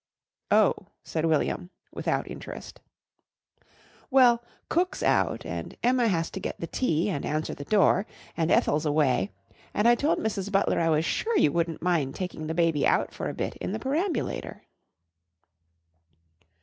"Oh!" said William, without interest. "Well, cook's out and Emma has to get the tea and answer the door, and Ethel's away, and I told Mrs. Butler I was sure you wouldn't mind taking the baby out for a bit in the perambulator!"